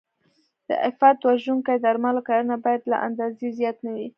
د آفت وژونکو درملو کارونه باید له اندازې زیات نه وي.